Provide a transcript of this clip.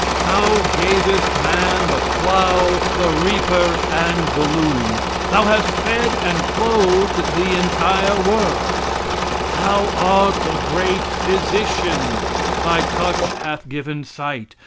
Thou gavest man the plow, the reaper and the loom thou hast fed and clothed the world. Thou art the great physician. Thy touch hath given sight.